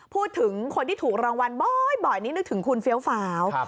พูดถึงคนที่ถูกรางวัลบ่อยนี่นึกถึงคุณเฟี้ยวฟ้าว